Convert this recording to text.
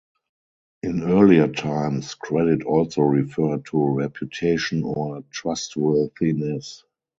In earlier times, credit also referred to reputation or trustworthiness.